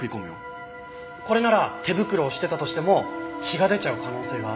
これなら手袋をしてたとしても血が出ちゃう可能性がある。